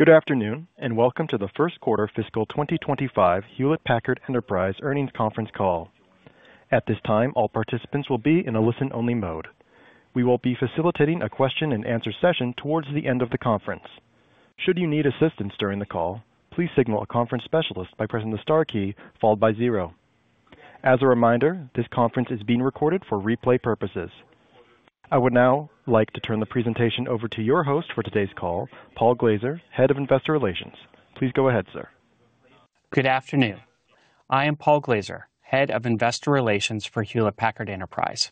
Good afternoon, and welcome to the First Quarter Fiscal 2025 Hewlett Packard Enterprise earnings conference call. At this time, all participants will be in a listen-only mode. We will be facilitating a question-and-answer session towards the end of the conference. Should you need assistance during the call, please signal a conference specialist by pressing the star key followed by zero. As a reminder, this conference is being recorded for replay purposes. I would now like to turn the presentation over to your host for today's call, Paul Glaser, Head of Investor Relations. Please go ahead, sir. Good afternoon. I am Paul Glaser, head of investor relations for Hewlett Packard Enterprise.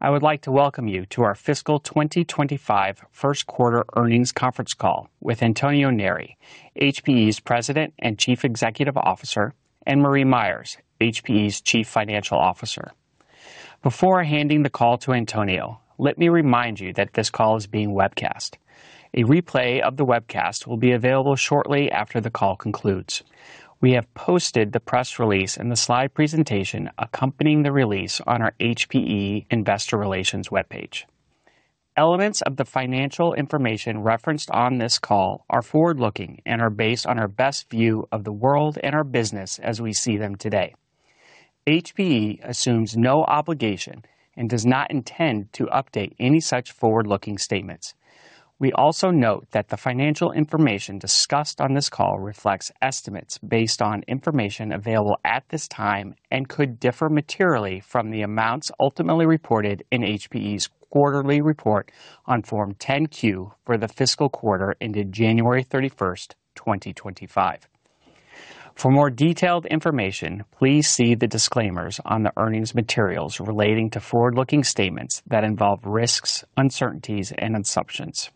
I would like to welcome you to our fiscal 2025 first quarter earnings conference call with Antonio Neri, HPE's President and Chief Executive Officer, and Marie Myers, HPE's Chief Financial Officer. Before handing the call to Antonio, let me remind you that this call is being webcast. A replay of the webcast will be available shortly after the call concludes. We have posted the press release and the slide presentation accompanying the release on our HPE investor relations webpage. Elements of the financial information referenced on this call are forward-looking and are based on our best view of the world and our business as we see them today. HPE assumes no obligation and does not intend to update any such forward-looking statements. We also note that the financial information discussed on this call reflects estimates based on information available at this time and could differ materially from the amounts ultimately reported in HPE's quarterly report on Form 10-Q for the fiscal quarter ended January 31st, 2025. For more detailed information, please see the disclaimers on the earnings materials relating to forward-looking statements that involve risks, uncertainties, and assumptions.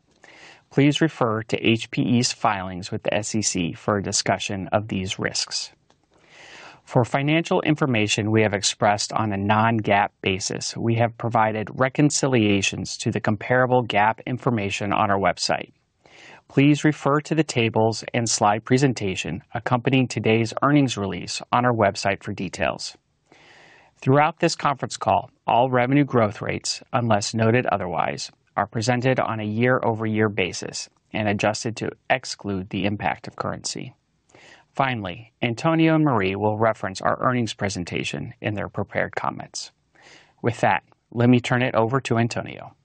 Please refer to HPE's filings with the SEC for a discussion of these risks. For financial information we have expressed on a non-GAAP basis, we have provided reconciliations to the comparable GAAP information on our website. Please refer to the tables and slide presentation accompanying today's earnings release on our website for details. Throughout this conference call, all revenue growth rates, unless noted otherwise, are presented on a year-over-year basis and adjusted to exclude the impact of currency. Finally, Antonio and Marie will reference our earnings presentation in their prepared comments. With that, let me turn it over to Antonio.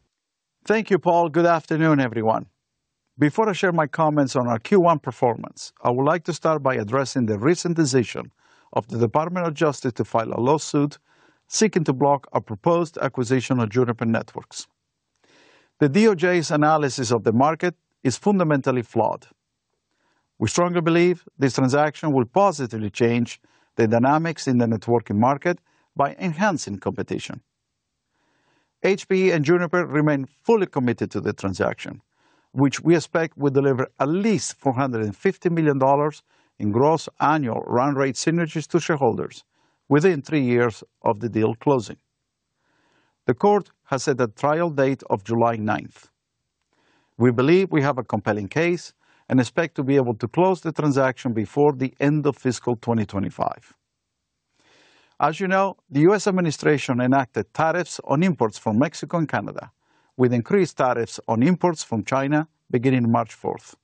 Thank you, Paul. Good afternoon, everyone. Before I share my comments on our Q1 performance, I would like to start by addressing the recent decision of the Department of Justice to file a lawsuit seeking to block a proposed acquisition of Juniper Networks. The DOJ's analysis of the market is fundamentally flawed. We strongly believe this transaction will positively change the dynamics in the networking market by enhancing competition. HPE and Juniper remain fully committed to the transaction, which we expect will deliver at least $450 million in gross annual run rate synergies to shareholders within three years of the deal closing. The court has set a trial date of July 9th. We believe we have a compelling case and expect to be able to close the transaction before the end of fiscal 2025. As you know, the U.S. administration enacted tariffs on imports from Mexico and Canada, with increased tariffs on imports from China beginning March 4th.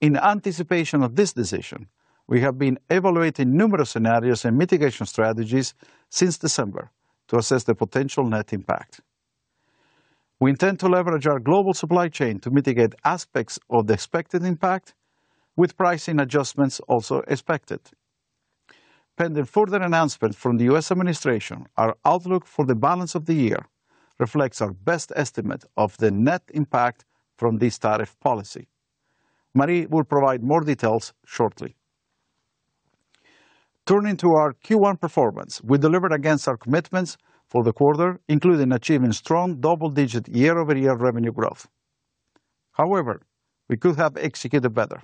In anticipation of this decision, we have been evaluating numerous scenarios and mitigation strategies since December to assess the potential net impact. We intend to leverage our global supply chain to mitigate aspects of the expected impact, with pricing adjustments also expected. Pending further announcements from the U.S. administration, our outlook for the balance of the year reflects our best estimate of the net impact from this tariff policy. Marie will provide more details shortly. Turning to our Q1 performance, we delivered against our commitments for the quarter, including achieving strong double-digit year-over-year revenue growth. However, we could have executed better.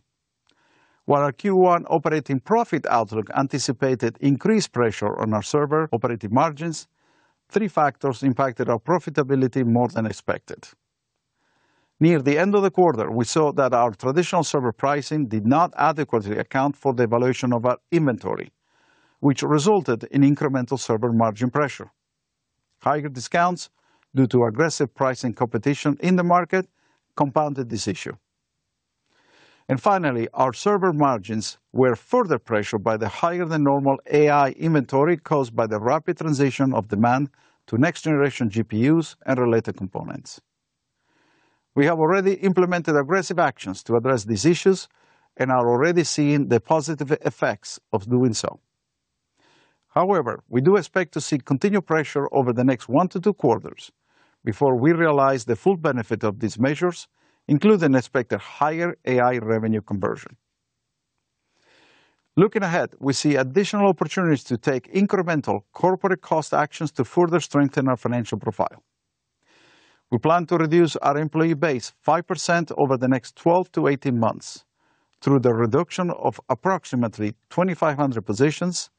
While our Q1 operating profit outlook anticipated increased pressure on our server operating margins, three factors impacted our profitability more than expected. Near the end of the quarter, we saw that our traditional server pricing did not adequately account for the valuation of our inventory, which resulted in incremental server margin pressure. Higher discounts due to aggressive pricing competition in the market compounded this issue. And finally, our server margins were further pressured by the higher-than-normal AI inventory caused by the rapid transition of demand to next-generation GPUs and related components. We have already implemented aggressive actions to address these issues and are already seeing the positive effects of doing so. However, we do expect to see continued pressure over the next one to two quarters before we realize the full benefit of these measures, including expected higher AI revenue conversion. Looking ahead, we see additional opportunities to take incremental corporate cost actions to further strengthen our financial profile. We plan to reduce our employee base 5% over the next 12-18 months through the reduction of approximately 2,500 positions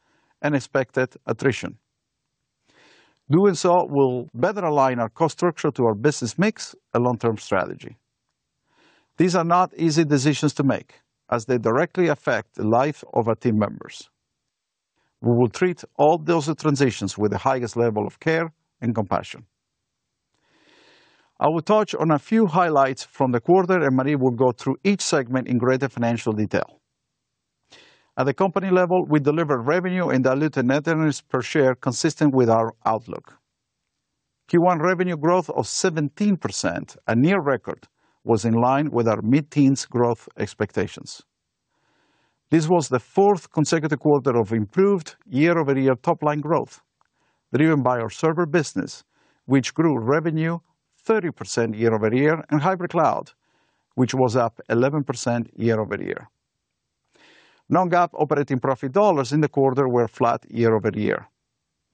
and expected attrition. Doing so will better align our cost structure to our business mix and long-term strategy. These are not easy decisions to make, as they directly affect the life of our team members. We will treat all those transitions with the highest level of care and compassion. I will touch on a few highlights from the quarter, and Marie will go through each segment in greater financial detail. At the company level, we deliver revenue and dilute net earnings per share consistent with our outlook. Q1 revenue growth of 17%, a near record, was in line with our mid-teens growth expectations. This was the fourth consecutive quarter of improved year-over-year top-line growth, driven by our server business, which grew revenue 30% year-over-year, and Hybrid Cloud, which was up 11% year-over-year. Non-GAAP operating profit dollars in the quarter were flat year-over-year.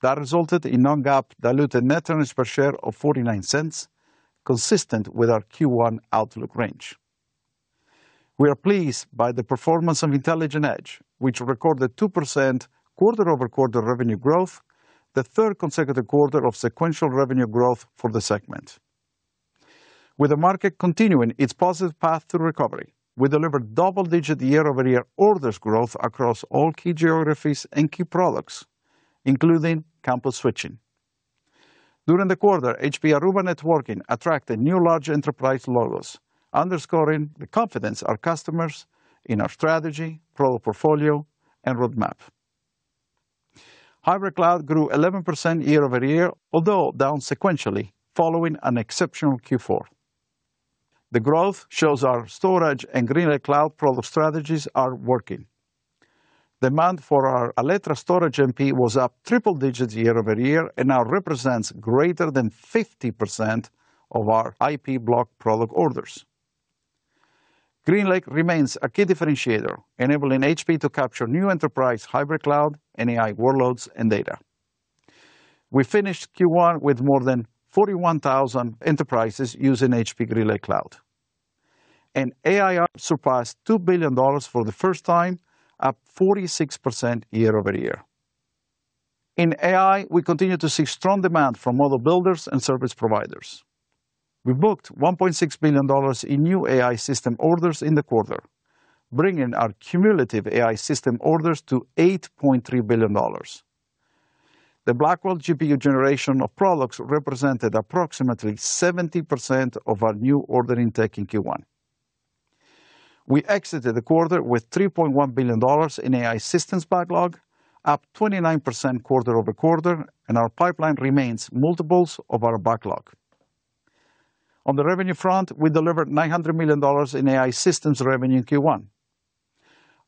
That resulted in non-GAAP diluted net earnings per share of $0.49, consistent with our Q1 outlook range. We are pleased by the performance of Intelligent Edge, which recorded 2% quarter-over-quarter revenue growth, the third consecutive quarter of sequential revenue growth for the segment. With the market continuing its positive path to recovery, we delivered double-digit year-over-year orders growth across all key geographies and key products, including campus switching. During the quarter, HPE Aruba Networking attracted new large enterprise logos, underscoring the confidence of our customers in our strategy, product portfolio, and roadmap. hybrid grew 11% year-over-year, although down sequentially, following an exceptional Q4. The growth shows our storage and GreenLake cloud product strategies are working. Demand for our Alletra Storage MP was up triple digits year-over-year and now represents greater than 50% of our IP block product orders. GreenLake remains a key differentiator, enabling HPE to capture new enterprise Hybrid Cloud and AI workloads and data. We finished Q1 with more than 41,000 enterprises using HPE GreenLake cloud. AI surpassed $2 billion for the first time, up 46% year-over-year. In AI, we continue to see strong demand from model builders and service providers. We booked $1.6 billion in new AI system orders in the quarter, bringing our cumulative AI system orders to $8.3 billion. The Blackwell GPU generation of products represented approximately 70% of our new ordering tech in Q1. We exited the quarter with $3.1 billion in AI systems backlog, up 29% quarter-over-quarter, and our pipeline remains multiples of our backlog. On the revenue front, we delivered $900 million in AI systems revenue in Q1.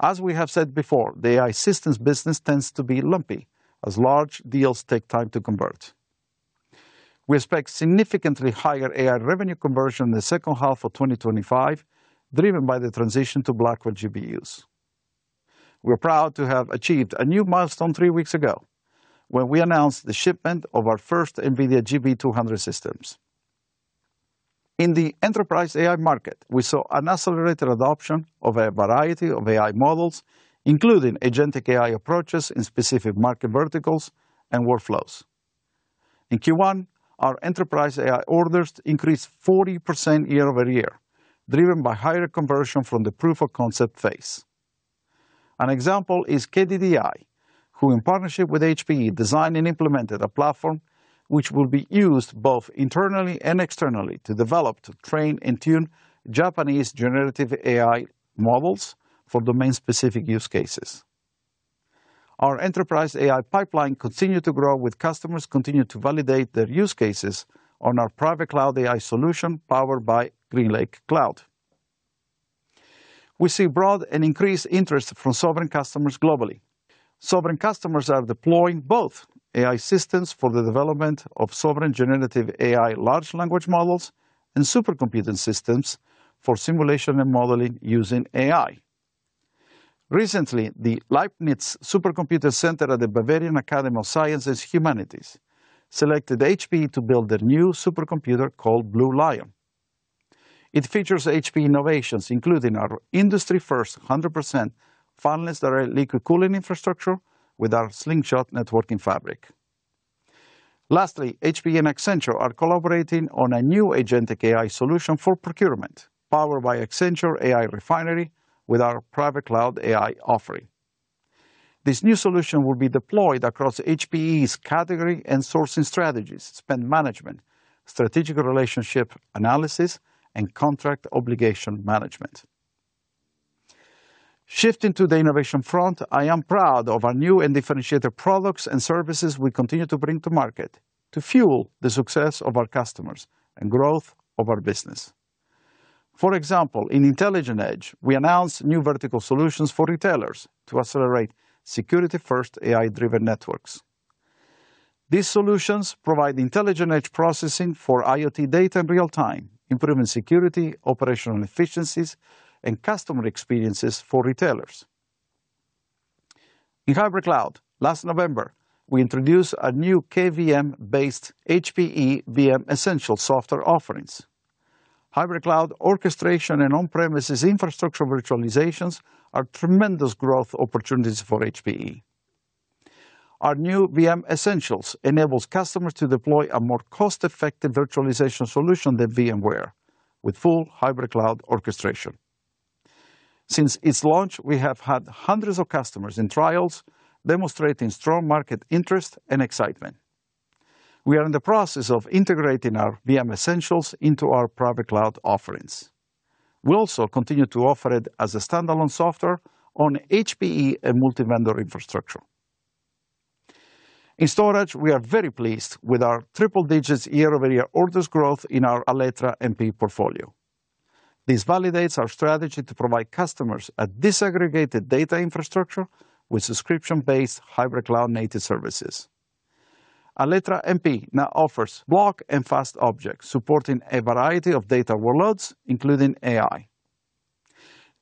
As we have said before, the AI systems business tends to be lumpy as large deals take time to convert. We expect significantly higher AI revenue conversion in the second half of 2025, driven by the transition to Blackwell GPUs. We're proud to have achieved a new milestone three weeks ago when we announced the shipment of our first NVIDIA GB200 systems. In the enterprise AI market, we saw an accelerated adoption of a variety of AI models, including agentic AI approaches in specific market verticals and workflows. In Q1, our enterprise AI orders increased 40% year-over-year, driven by higher conversion from the proof-of-concept phase. An example is KDDI, who in partnership with HPE designed and implemented a platform which will be used both internally and externally to develop, train, and tune Japanese generative AI models for domain-specific use cases. Our enterprise AI pipeline continued to grow, with customers continuing to validate their use cases on our private cloud AI solution powered by GreenLake cloud. We see broad and increased interest from sovereign customers globally. Sovereign customers are deploying both AI systems for the development of sovereign generative AI large language models and supercomputing systems for simulation and modeling using AI. Recently, the Leibniz Supercomputer Center at the Bavarian Academy of Sciences and Humanities selected HPE to build their new supercomputer called Blue Lion. It features HPE innovations, including our industry-first 100% direct liquid cooling infrastructure with our Slingshot networking fabric. Lastly, HPE and Accenture are collaborating on a new agentic AI solution for procurement powered by Accenture AI Refinery with our private cloud AI offering. This new solution will be deployed across HPE's category and sourcing strategies, spend management, strategic relationship analysis, and contract obligation management. Shifting to the innovation front, I am proud of our new and differentiated products and services we continue to bring to market to fuel the success of our customers and growth of our business. For example, in Intelligent Edge, we announced new vertical solutions for retailers to accelerate security-first AI-driven networks. These solutions provide Intelligent Edge processing for IoT data in real time, improving security, operational efficiencies, and customer experiences for retailers. In Hybrid Cloud, last November, we introduced a new KVM-based HPE VM Essentials Software offerings. Hybrid Cloud orchestration and on-premises infrastructure virtualizations are tremendous growth opportunities for HPE. Our new VM Essentials enables customers to deploy a more cost-effective virtualization solution than VMware, with full Hybrid Cloud orchestration. Since its launch, we have had hundreds of customers in trials, demonstrating strong market interest and excitement. We are in the process of integrating our VM Essentials into our private cloud offerings. We also continue to offer it as a standalone software on HPE and multi-vendor infrastructure. In storage, we are very pleased with our triple-digit year-over-year orders growth in our Alletra MP portfolio. This validates our strategy to provide customers a disaggregated data infrastructure with subscription-based Hybrid Cloud-native services. Alletra MP now offers block and fast objects supporting a variety of data workloads, including AI.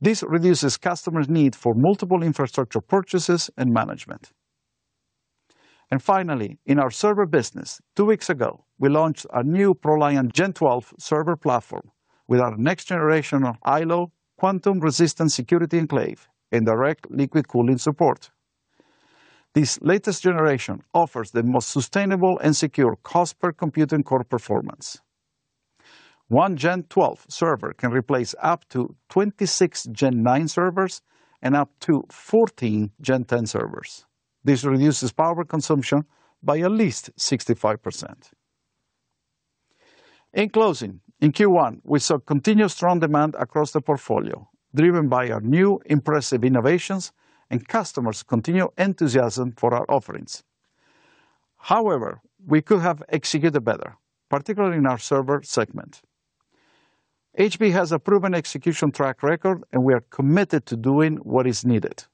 This reduces customers' need for multiple infrastructure purchases and management. Finally, in our server business, two weeks ago, we launched a new ProLiant Gen12 server platform with our next-generation iLO Quantum-Resistant Security Enclave and direct liquid cooling support. This latest generation offers the most sustainable and secure cost-per-computing core performance. One Gen12 server can replace up to 26 Gen9 servers and up to 14 Gen10 servers. This reduces power consumption by at least 65%. In closing, in Q1, we saw continued strong demand across the portfolio, driven by our new impressive innovations and customers' continued enthusiasm for our offerings. However, we could have executed better, particularly in our server segment. HPE has a proven execution track record, and we are committed to doing what is needed.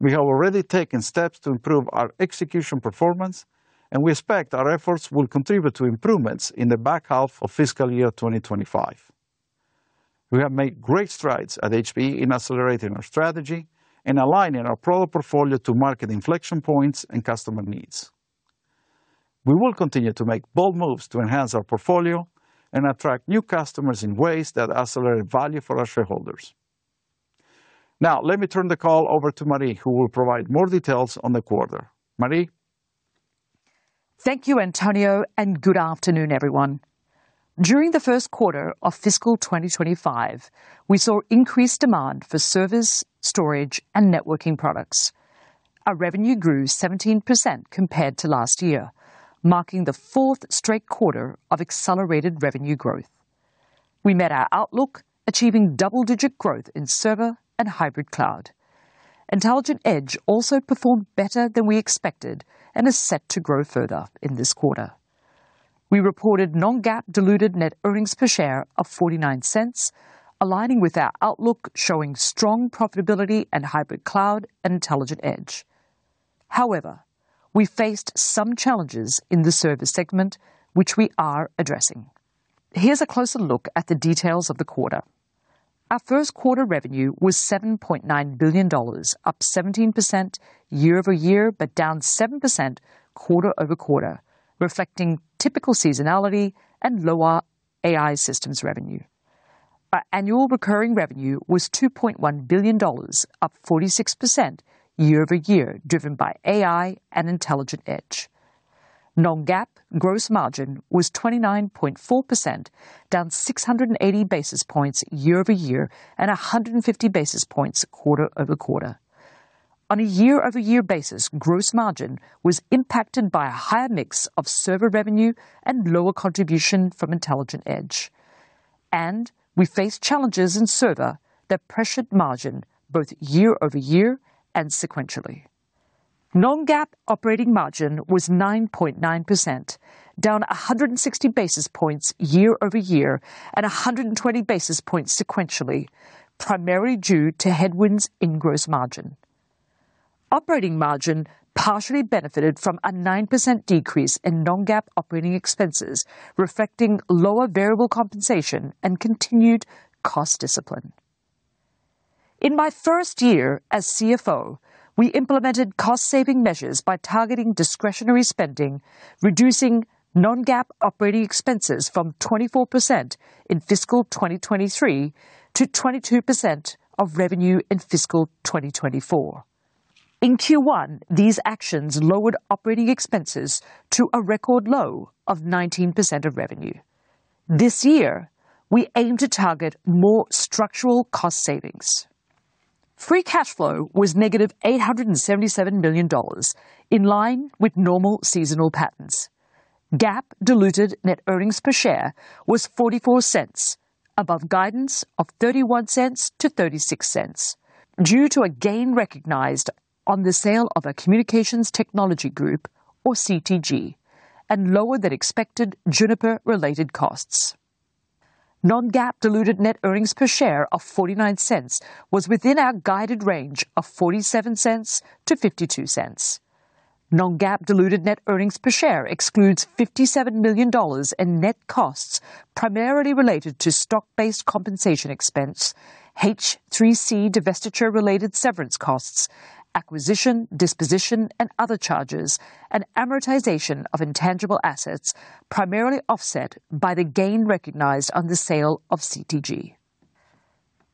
We have already taken steps to improve our execution performance, and we expect our efforts will contribute to improvements in the back half of fiscal year 2025. We have made great strides at HPE in accelerating our strategy and aligning our product portfolio to market inflection points and customer needs. We will continue to make bold moves to enhance our portfolio and attract new customers in ways that accelerate value for our shareholders. Now, let me turn the call over to Marie, who will provide more details on the quarter. Marie. Thank you, Antonio, and good afternoon, everyone. During the first quarter of fiscal 2025, we saw increased demand for servers, storage, and networking products. Our revenue grew 17% compared to last year, marking the fourth straight quarter of accelerated revenue growth. We met our outlook, achieving double-digit growth in server and Hybrid Cloud. Intelligent Edge also performed better than we expected and is set to grow further in this quarter. We reported Non-GAAP diluted net earnings per share of $0.49, aligning with our outlook, showing strong profitability in Hybrid Cloud and Intelligent Edge. However, we faced some challenges in the service segment, which we are addressing. Here's a closer look at the details of the quarter. Our first quarter revenue was $7.9 billion, up 17% year-over-year, but down 7% quarter-over-quarter, reflecting typical seasonality and lower AI systems revenue. Our annual recurring revenue was $2.1 billion, up 46% year-over-year, driven by AI and Intelligent Edge. Non-GAAP gross margin was 29.4%, down 680 basis points year-over-year and 150 basis points quarter-over-quarter. On a year-over-year basis, gross margin was impacted by a higher mix of server revenue and lower contribution from Intelligent Edge. And we faced challenges in server that pressured margin both year-over-year and sequentially. Non-GAAP operating margin was 9.9%, down 160 basis points year-over-year and 120 basis points sequentially, primarily due to headwinds in gross margin. Operating margin partially benefited from a 9% decrease in non-GAAP operating expenses, reflecting lower variable compensation and continued cost discipline. In my first year as CFO, we implemented cost-saving measures by targeting discretionary spending, reducing non-GAAP operating expenses from 24% in fiscal 2023 to 22% of revenue in fiscal 2024. In Q1, these actions lowered operating expenses to a record low of 19% of revenue. This year, we aim to target more structural cost savings. Free cash flow was -$877 million, in line with normal seasonal patterns. GAAP diluted net earnings per share was $0.44, above guidance of $0.31-$0.36, due to a gain recognized on the sale of a communications technology group, or CTG, and lower than expected Juniper-related costs. Non-GAAP diluted net earnings per share of $0.49 was within our guided range of $0.47-$0.52. Non-GAAP diluted net earnings per share excludes $57 million in net costs primarily related to stock-based compensation expense, H3C divestiture-related severance costs, acquisition, disposition, and other charges, and amortization of intangible assets, primarily offset by the gain recognized on the sale of CTG.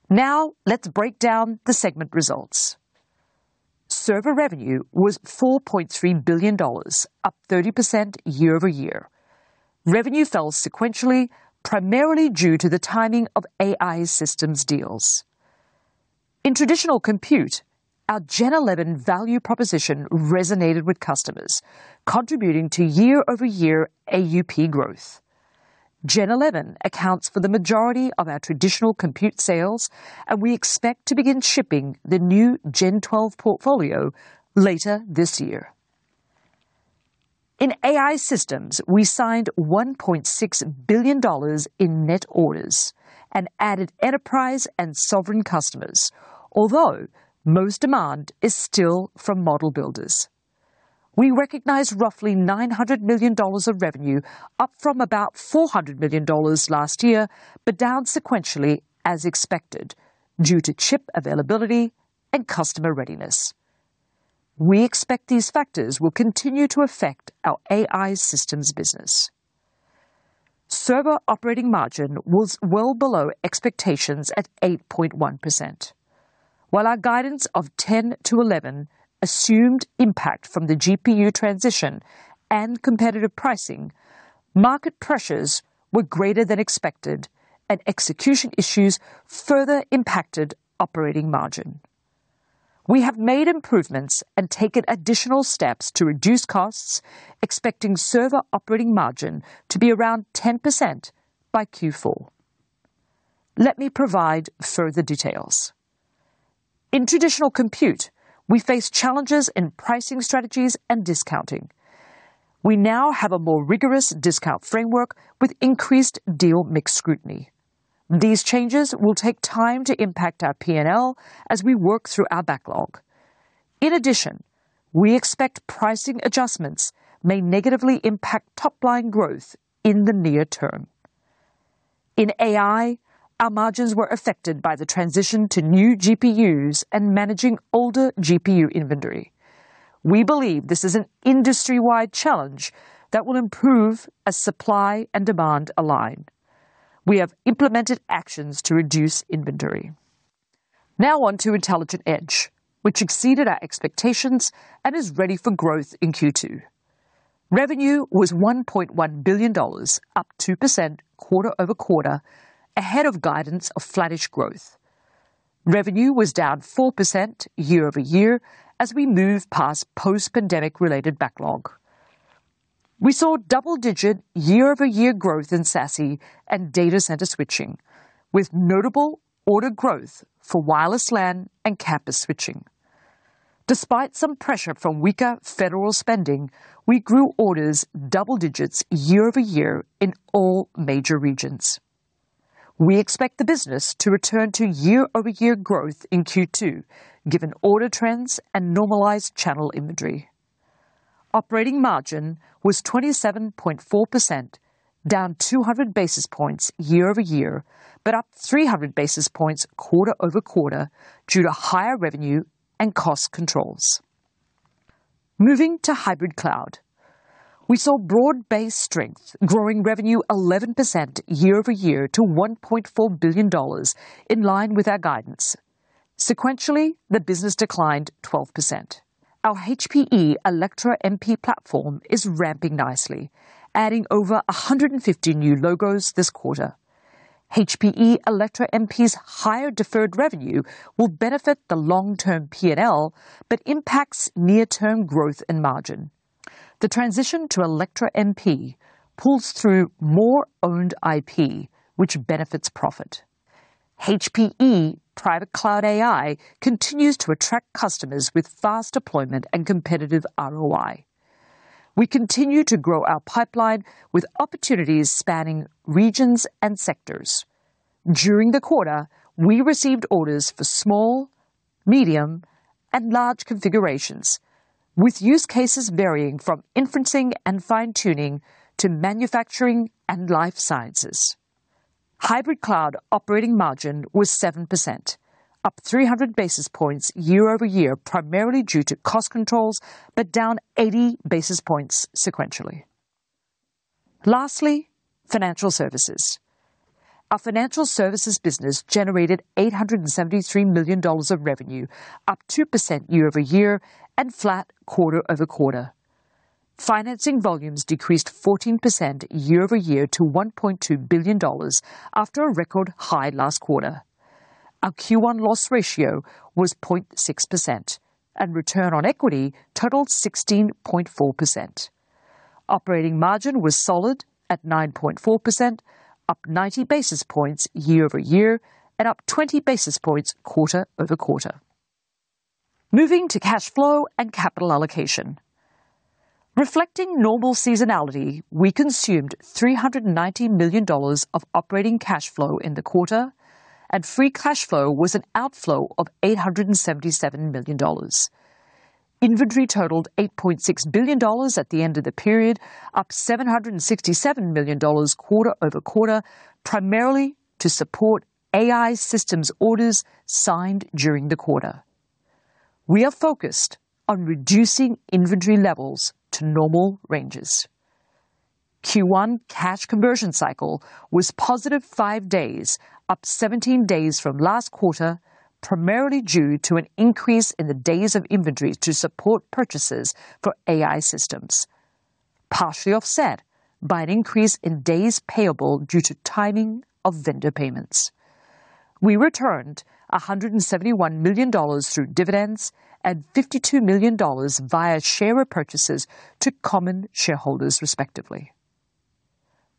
Now, let's break down the segment results. Server revenue was $4.3 billion, up 30% year-over-year. Revenue fell sequentially, primarily due to the timing of AI systems deals. In traditional compute, our Gen11 value proposition resonated with customers, contributing to year-over-year AUP growth. Gen11 accounts for the majority of our traditional compute sales, and we expect to begin shipping the new Gen12 portfolio later this year. In AI systems, we signed $1.6 billion in net orders and added enterprise and sovereign customers, although most demand is still from model builders. We recognize roughly $900 million of revenue, up from about $400 million last year, but down sequentially as expected due to chip availability and customer readiness. We expect these factors will continue to affect our AI systems business. Server operating margin was well below expectations at 8.1%. While our guidance of 10%-11% assumed impact from the GPU transition and competitive pricing, market pressures were greater than expected, and execution issues further impacted operating margin. We have made improvements and taken additional steps to reduce costs, expecting server operating margin to be around 10% by Q4. Let me provide further details. In traditional compute, we faced challenges in pricing strategies and discounting. We now have a more rigorous discount framework with increased deal mix scrutiny. These changes will take time to impact our P&L as we work through our backlog. In addition, we expect pricing adjustments may negatively impact top-line growth in the near term. In AI, our margins were affected by the transition to new GPUs and managing older GPU inventory. We believe this is an industry-wide challenge that will improve as supply and demand align. We have implemented actions to reduce inventory. Now on to Intelligent Edge, which exceeded our expectations and is ready for growth in Q2. Revenue was $1.1 billion, up 2% quarter-over-quarter, ahead of guidance of flattish growth. Revenue was down 4% year-over-year as we moved past post-pandemic-related backlog. We saw double-digit year-over-year growth in SASE and data center switching, with notable order growth for wireless LAN and campus switching. Despite some pressure from weaker federal spending, we grew orders double digits year-over-year in all major regions. We expect the business to return to year-over-year growth in Q2, given order trends and normalized channel inventory. Operating margin was 27.4%, down 200 basis points year-over-year, but up 300 basis points quarter-over-quarter due to higher revenue and cost controls. Moving to Hybrid Cloud, we saw broad-based strength, growing revenue 11% year-over-year to $1.4 billion, in line with our guidance. Sequentially, the business declined 12%. Our HPE Alletra MP platform is ramping nicely, adding over 150 new logos this quarter. HPE Alletra MP's higher deferred revenue will benefit the long-term P&L, but impacts near-term growth and margin. The transition to Alletra MP pulls through more owned IP, which benefits profit. HPE Private Cloud AI continues to attract customers with fast deployment and competitive ROI. We continue to grow our pipeline with opportunities spanning regions and sectors. During the quarter, we received orders for small, medium, and large configurations, with use cases varying from inferencing and fine-tuning to manufacturing and life sciences. Hybrid Cloud operating margin was 7%, up 300 basis points year-over-year, primarily due to cost controls, but down 80 basis points sequentially. Lastly, financial services. Our financial services business generated $873 million of revenue, up 2% year-over-year and flat quarter-over-quarter. Financing volumes decreased 14% year-over-year to $1.2 billion after a record high last quarter. Our Q1 loss ratio was 0.6%, and return on equity totaled 16.4%. Operating margin was solid at 9.4%, up 90 basis points year-over-year and up 20 basis points quarter-over-quarter. Moving to cash flow and capital allocation. Reflecting normal seasonality, we consumed $390 million of operating cash flow in the quarter, and free cash flow was an outflow of $877 million. Inventory totaled $8.6 billion at the end of the period, up $767 million quarter-over-quarter, primarily to support AI systems orders signed during the quarter. We are focused on reducing inventory levels to normal ranges. Q1 cash conversion cycle was positive five days, up 17 days from last quarter, primarily due to an increase in the days of inventory to support purchases for AI systems, partially offset by an increase in days payable due to timing of vendor payments. We returned $171 million through dividends and $52 million via share repurchases to common shareholders, respectively.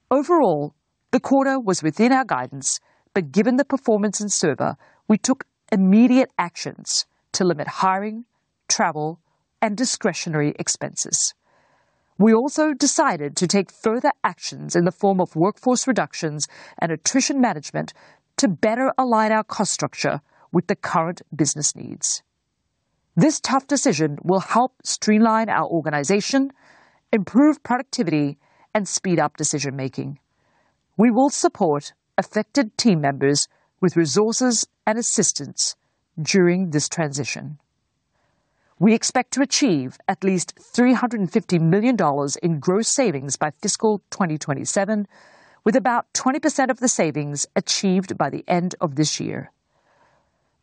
Overall, the quarter was within our guidance, but given the performance in server, we took immediate actions to limit hiring, travel, and discretionary expenses. We also decided to take further actions in the form of workforce reductions and attrition management to better align our cost structure with the current business needs. This tough decision will help streamline our organization, improve productivity, and speed up decision-making. We will support affected team members with resources and assistance during this transition. We expect to achieve at least $350 million in gross savings by fiscal 2027, with about 20% of the savings achieved by the end of this year.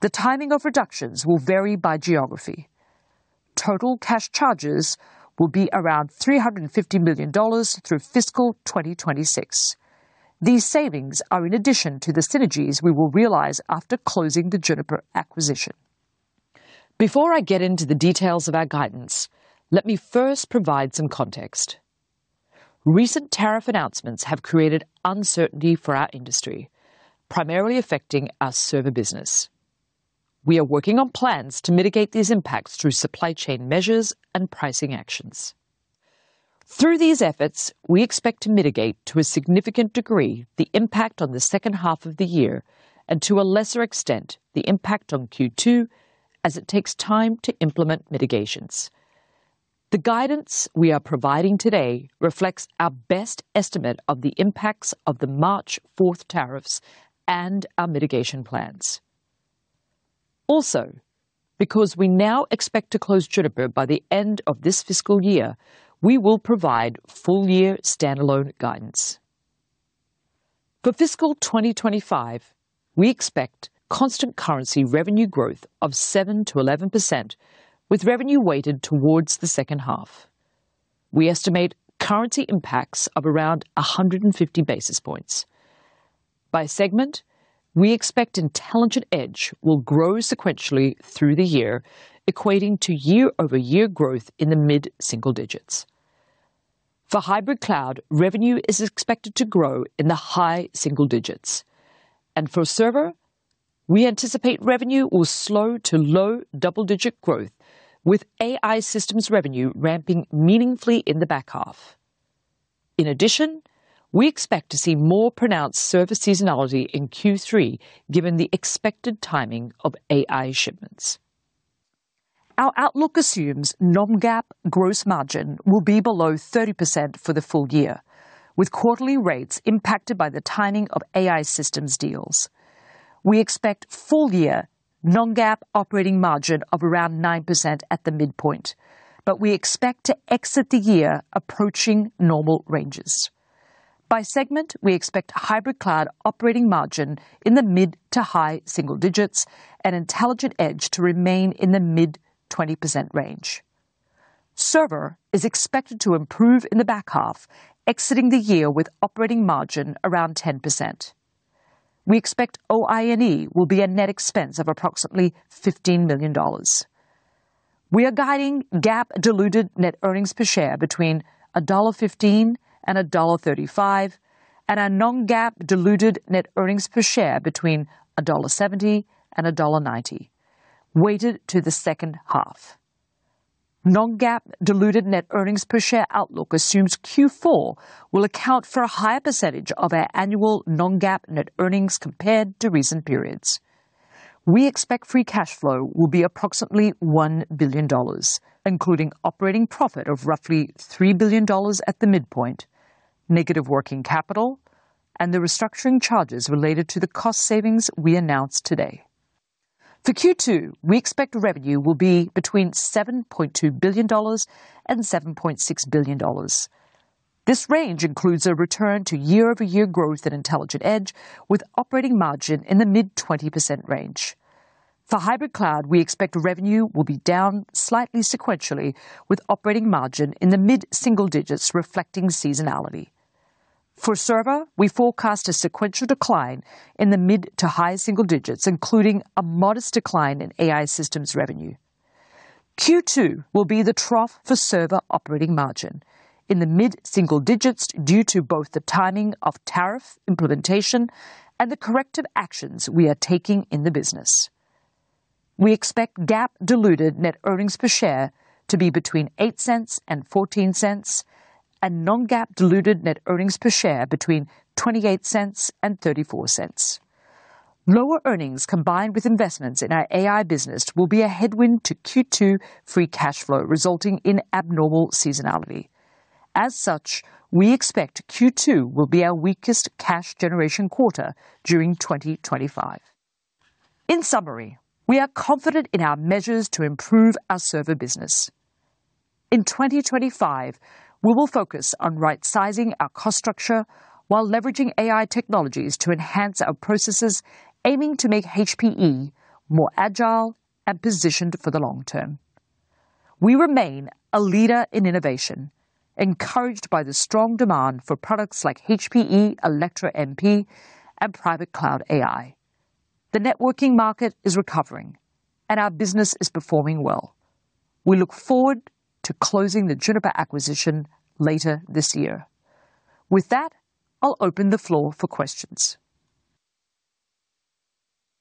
The timing of reductions will vary by geography. Total cash charges will be around $350 million through fiscal 2026. These savings are in addition to the synergies we will realize after closing the Juniper acquisition. Before I get into the details of our guidance, let me first provide some context. Recent tariff announcements have created uncertainty for our industry, primarily affecting our server business. We are working on plans to mitigate these impacts through supply chain measures and pricing actions. Through these efforts, we expect to mitigate to a significant degree the impact on the second half of the year and, to a lesser extent, the impact on Q2, as it takes time to implement mitigations. The guidance we are providing today reflects our best estimate of the impacts of the March 4 tariffs and our mitigation plans. Also, because we now expect to close Juniper by the end of this fiscal year, we will provide full-year standalone guidance. For fiscal 2025, we expect constant currency revenue growth of 7%-11%, with revenue weighted towards the second half. We estimate currency impacts of around 150 basis points. By segment, we expect Intelligent Edge will grow sequentially through the year, equating to year-over-year growth in the mid-single digits. For Hybrid Cloud, revenue is expected to grow in the high single digits. And for server, we anticipate revenue will slow to low double-digit growth, with AI systems revenue ramping meaningfully in the back half. In addition, we expect to see more pronounced server seasonality in Q3, given the expected timing of AI shipments. Our outlook assumes non-GAAP gross margin will be below 30% for the full year, with quarterly rates impacted by the timing of AI systems deals. We expect full-year non-GAAP operating margin of around 9% at the midpoint, but we expect to exit the year approaching normal ranges. By segment, we expect Hybrid Cloud operating margin in the mid to high single digits and Intelligent Edge to remain in the mid-20% range. Server is expected to improve in the back half, exiting the year with operating margin around 10%. We expect OI&E will be a net expense of approximately $15 million. We are guiding GAAP diluted net earnings per share between $1.15 and $1.35, and our non-GAAP diluted net earnings per share between $1.70 and $1.90, weighted to the second half. Non-GAAP diluted net earnings per share outlook assumes Q4 will account for a higher percentage of our annual non-GAAP net earnings compared to recent periods. We expect free cash flow will be approximately $1 billion, including operating profit of roughly $3 billion at the midpoint, negative working capital, and the restructuring charges related to the cost savings we announced today. For Q2, we expect revenue will be between $7.2 billion and $7.6 billion. This range includes a return to year-over-year growth in Intelligent Edge, with operating margin in the mid-20% range. For Hybrid Cloud, we expect revenue will be down slightly sequentially, with operating margin in the mid-single digits, reflecting seasonality. For server, we forecast a sequential decline in the mid to high single digits, including a modest decline in AI systems revenue. Q2 will be the trough for server operating margin in the mid-single digits due to both the timing of tariff implementation and the corrective actions we are taking in the business. We expect GAAP diluted net earnings per share to be between $0.08 and $0.14, and Non-GAAP diluted net earnings per share between $0.28 and $0.34. Lower earnings combined with investments in our AI business will be a headwind to Q2 free cash flow, resulting in abnormal seasonality. As such, we expect Q2 will be our weakest cash generation quarter during 2025. In summary, we are confident in our measures to improve our server business. In 2025, we will focus on right-sizing our cost structure while leveraging AI technologies to enhance our processes, aiming to make HPE more agile and positioned for the long term. We remain a leader in innovation, encouraged by the strong demand for products like HPE Alletra MP and Private Cloud AI. The networking market is recovering, and our business is performing well. We look forward to closing the Juniper acquisition later this year. With that, I'll open the floor for questions.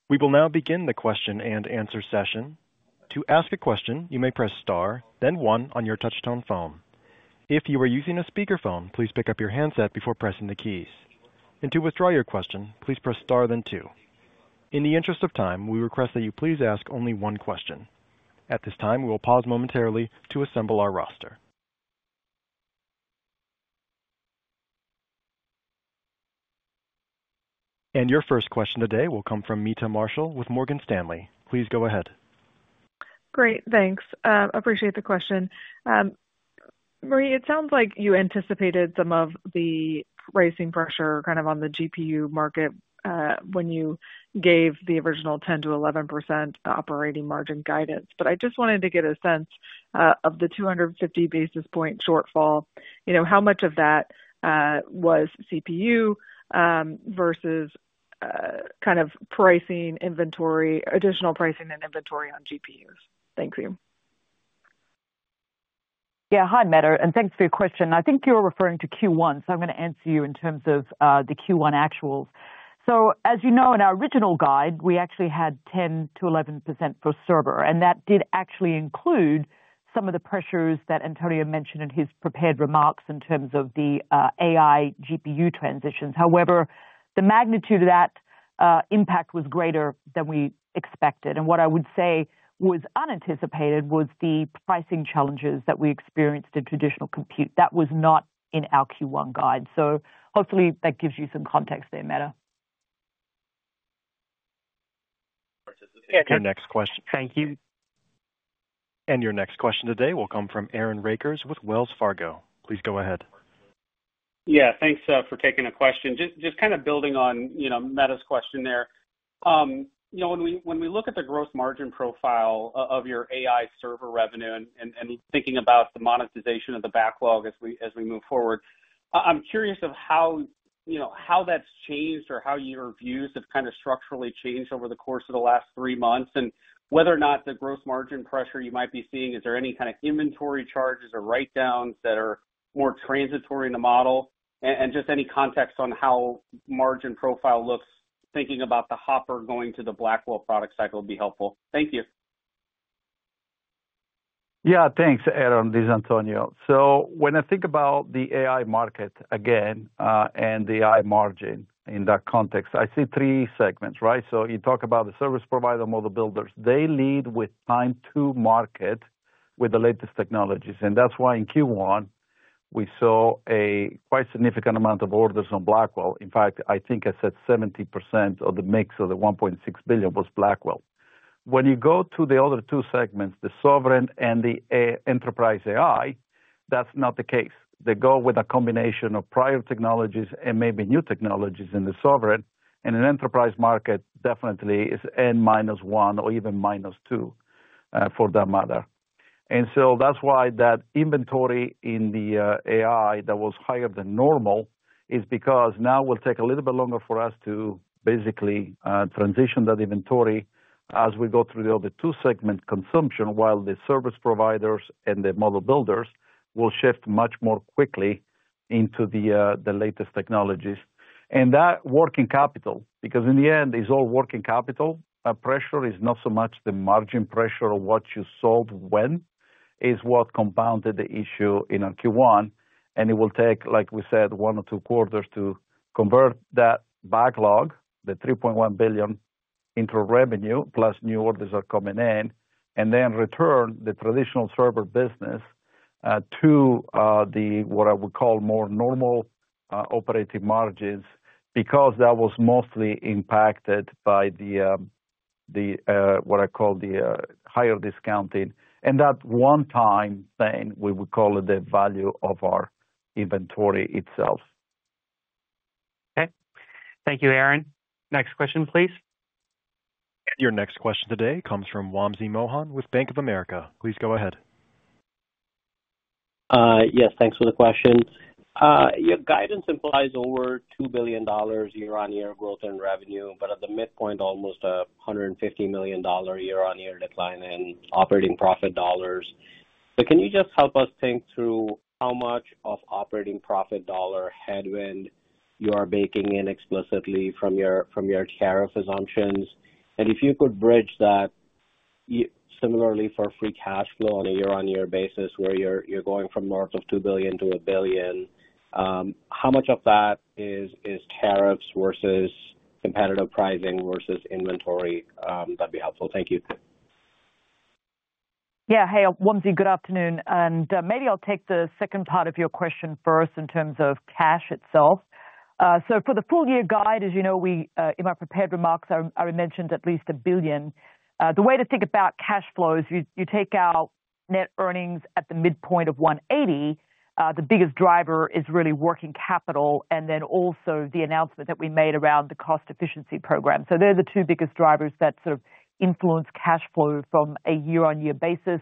We will now begin the question and answer session. To ask a question, you may press star, then one on your touch-tone phone. If you are using a speakerphone, please pick up your handset before pressing the keys. And to withdraw your question, please press star, then two. In the interest of time, we request that you please ask only one question. At this time, we will pause momentarily to assemble our roster. And your first question today will come from Meta Marshall with Morgan Stanley. Please go ahead. Great. Thanks. I appreciate the question. Marie, it sounds like you anticipated some of the pricing pressure kind of on the GPU market when you gave the original 10%-11% operating margin guidance. But I just wanted to get a sense of the 250 basis points shortfall. How much of that was CPU versus kind of pricing inventory, additional pricing and inventory on GPUs? Thank you. Yeah. Hi, Meta. And thanks for your question. I think you're referring to Q1, so I'm going to answer you in terms of the Q1 actuals. So, as you know, in our original guide, we actually had 10%-11% for server, and that did actually include some of the pressures that Antonio mentioned in his prepared remarks in terms of the AI GPU transitions. However, the magnitude of that impact was greater than we expected. What I would say was unanticipated was the pricing challenges that we experienced in traditional compute. That was not in our Q1 guide. Hopefully, that gives you some context there, Meta. Yeah. To your next question. Thank you. Your next question today will come from Aaron Rakers with Wells Fargo. Please go ahead. Yeah. Thanks for taking a question. Just kind of building on Meta's question there. When we look at the gross margin profile of your AI server revenue and thinking about the monetization of the backlog as we move forward, I'm curious of how that's changed or how your views have kind of structurally changed over the course of the last three months and whether or not the gross margin pressure you might be seeing? Is there any kind of inventory charges or write-downs that are more transitory in the model? And just any context on how margin profile looks, thinking about the hopper going to the Blackwell product cycle would be helpful. Thank you. Yeah. Thanks, Aaron. This is Antonio. So, when I think about the AI market again and the AI margin in that context, I see three segments, right? So, you talk about the service provider, model builders. They lead with time to market with the latest technologies. And that's why in Q1, we saw a quite significant amount of orders on Blackwell. In fact, I think I said 70% of the mix of the $1.6 billion was Blackwell. When you go to the other two segments, the sovereign and the enterprise AI, that's not the case. They go with a combination of prior technologies and maybe new technologies in the sovereign. And in enterprise market, definitely it's N minus one or even minus two for that matter. That's why that inventory in the AI that was higher than normal is because now it will take a little bit longer for us to basically transition that inventory as we go through the other two segment consumption, while the service providers and the model builders will shift much more quickly into the latest technologies. That working capital, because in the end, it's all working capital, pressure is not so much the margin pressure of what you sold when is what compounded the issue in Q1. It will take, like we said, one or two quarters to convert that backlog, the $3.1 billion into revenue, plus new orders are coming in, and then return the traditional server business to what I would call more normal operating margins because that was mostly impacted by what I call the higher discounting. And that one time thing, we would call it the value of our inventory itself. Okay. Thank you, Aaron. Next question, please. And your next question today comes from Wamsi Mohan with Bank of America. Please go ahead. Yes. Thanks for the question. Your guidance implies over $2 billion year-on-year growth in revenue, but at the midpoint, almost $150 million year-on-year decline in operating profit dollars. But can you just help us think through how much of operating profit dollar headwind you are baking in explicitly from your tariff assumptions? And if you could bridge that similarly for free cash flow on a year-on-year basis where you're going from north of $2 billion-$1 billion, how much of that is tariffs versus competitive pricing versus inventory? That'd be helpful. Thank you. Yeah. Hey, Wamsi, good afternoon. Maybe I'll take the second part of your question first in terms of cash itself. So, for the full-year guide, as you know, in my prepared remarks, I mentioned at least $1 billion. The way to think about cash flow is you take out net earnings at the midpoint of 180. The biggest driver is really working capital, and then also the announcement that we made around the cost efficiency program. So, they're the two biggest drivers that sort of influence cash flow from a year-on-year basis.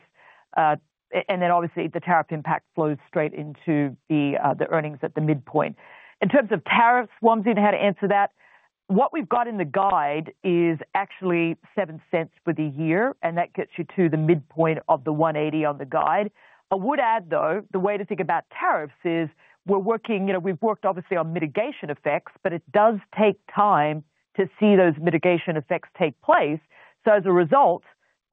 Then, obviously, the tariff impact flows straight into the earnings at the midpoint. In terms of tariffs, Wamsi, you know how to answer that. What we've got in the guide is actually $0.07 for the year, and that gets you to the midpoint of the 180 on the guide. I would add, though, the way to think about tariffs is we're working, we've worked, obviously, on mitigation effects, but it does take time to see those mitigation effects take place. So, as a result,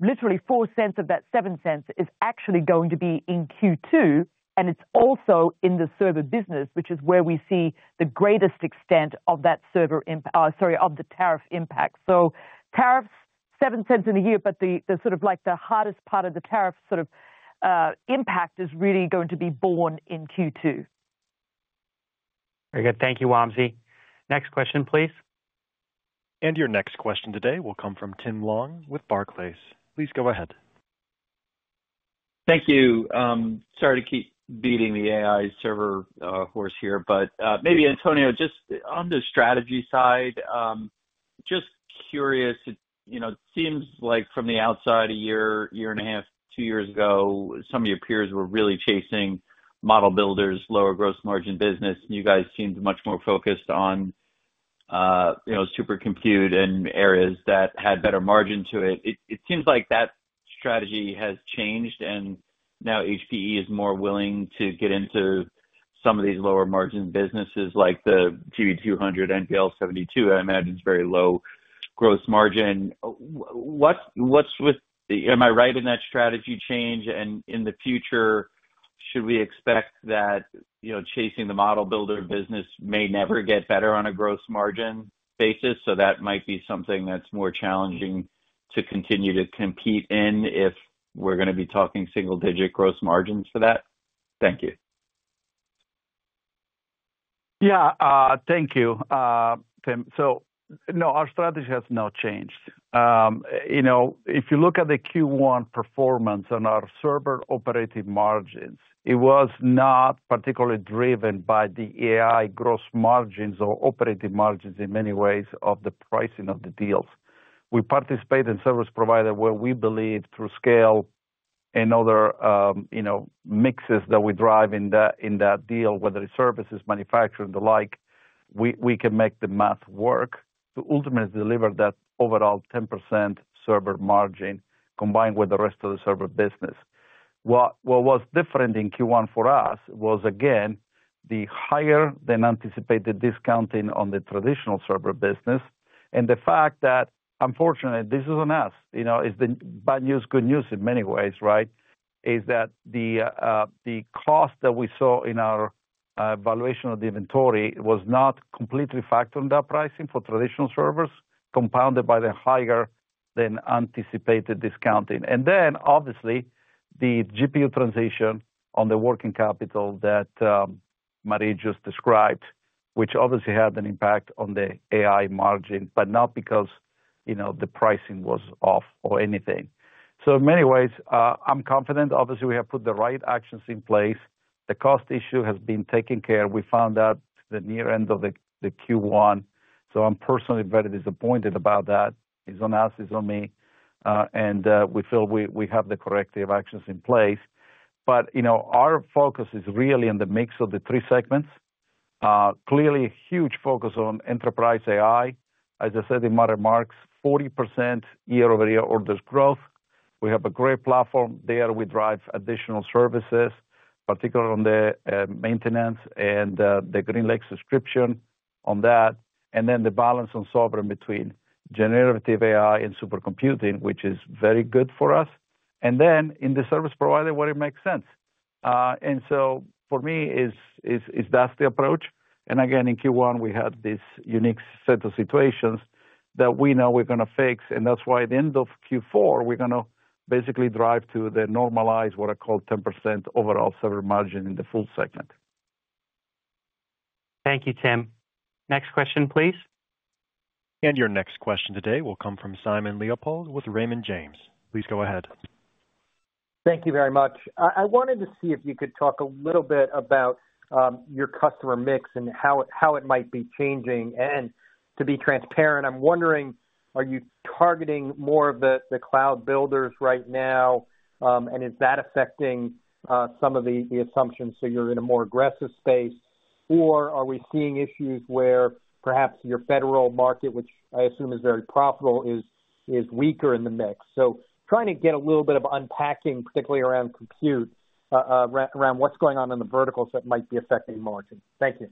literally $0.04 of that $0.07 is actually going to be in Q2, and it's also in the server business, which is where we see the greatest extent of that server impact, sorry, of the tariff impact. So, tariffs, $0.07 in a year, but the sort of like the hardest part of the tariff sort of impact is really going to be born in Q2. Very good. Thank you, Wamsi. Next question, please. And your next question today will come from Tim Long with Barclays. Please go ahead. Thank you. Sorry to keep beating the AI server horse here, but maybe, Antonio, just on the strategy side, just curious, it seems like from the outside, a year, year and a half, two years ago, some of your peers were really chasing model builders, lower gross margin business. You guys seemed much more focused on supercomputing and areas that had better margin to it. It seems like that strategy has changed, and now HPE is more willing to get into some of these lower margin businesses like the GB200, NVL72. I imagine it's very low gross margin. Am I right in that strategy change? And in the future, should we expect that chasing the model builder business may never get better on a gross margin basis? So, that might be something that's more challenging to continue to compete in if we're going to be talking single-digit gross margins for that? Thank you. Yeah. Thank you, Tim. So, no, our strategy has not changed. If you look at the Q1 performance on our server operating margins, it was not particularly driven by the AI gross margins or operating margins in many ways of the pricing of the deals. We participate in service provider where we believe through scale and other mixes that we drive in that deal, whether it's services, manufacturing, the like, we can make the math work to ultimately deliver that overall 10% server margin combined with the rest of the server business. What was different in Q1 for us was, again, the higher than anticipated discounting on the traditional server business and the fact that, unfortunately, this is on us. It's the bad news, good news in many ways, right? Is that the cost that we saw in our valuation of the inventory was not completely factored in that pricing for traditional servers, compounded by the higher than anticipated discounting. And then, obviously, the GPU transition on the working capital that Marie just described, which obviously had an impact on the AI margin, but not because the pricing was off or anything. So, in many ways, I'm confident, obviously, we have put the right actions in place. The cost issue has been taken care. We found that the near end of the Q1. So, I'm personally very disappointed about that. It's on us. It's on me. And we feel we have the corrective actions in place. But our focus is really on the mix of the three segments. Clearly, huge focus on enterprise AI. As I said in my remarks, 40% year-over-year orders growth. We have a great platform there. We drive additional services, particularly on the maintenance and the GreenLake subscription on that. And then the balance on sovereign between generative AI and supercomputing, which is very good for us. And then in the service provider, where it makes sense. And so, for me, that's the approach. And again, in Q1, we had this unique set of situations that we know we're going to fix. And that's why at the end of Q4, we're going to basically drive to the normalized what I call 10% overall server margin in the full segment. Thank you, Tim. Next question, please. And your next question today will come from Simon Leopold with Raymond James. Please go ahead. Thank you very much. I wanted to see if you could talk a little bit about your customer mix and how it might be changing. To be transparent, I'm wondering, are you targeting more of the cloud builders right now? And is that affecting some of the assumptions so you're in a more aggressive space? Or are we seeing issues where perhaps your federal market, which I assume is very profitable, is weaker in the mix? So, trying to get a little bit of unpacking, particularly around compute, around what's going on in the verticals that might be affecting margin. Thank you.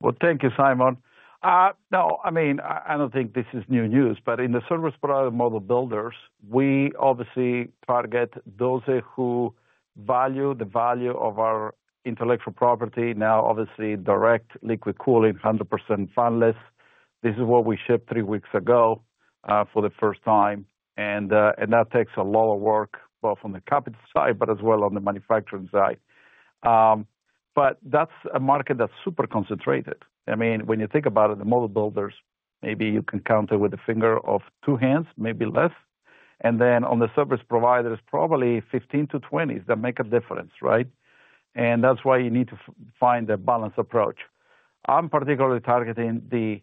Well, thank you, Simon. No, I mean, I don't think this is new news, but in the service provider model builders, we obviously target those who value our intellectual property. Now, obviously, direct liquid cooling, 100% fanless. This is what we shipped three weeks ago for the first time, and that takes a lot of work, both on the capital side, but as well on the manufacturing side. But that's a market that's super concentrated. I mean, when you think about it, the model builders, maybe you can count it with the finger of two hands, maybe less. And then on the service providers, probably 15-20 that make a difference, right? And that's why you need to find a balanced approach. I'm particularly targeting the